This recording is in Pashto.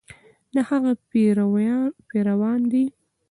د هغه پیروان دي.